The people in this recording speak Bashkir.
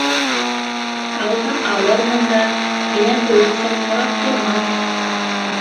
- Алһам алырмын да, һинән өрөхсәт һорап тормам.